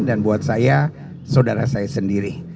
dan buat saya saudara saya sendiri